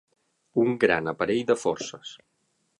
Un gran aparell de forces.